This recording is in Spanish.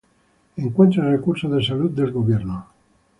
Encuentre recursos de salud del Gobierno.